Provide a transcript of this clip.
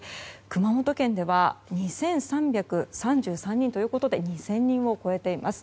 熊本県では２３３３人ということで２０００人を超えています。